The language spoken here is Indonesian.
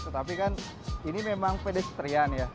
tetapi kan ini memang pedestrian ya